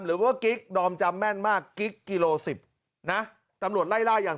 หรือว่ากิ๊กดอมจำแม่นมากกิ๊กกิโลสิบนะตำรวจไล่ล่าอย่าง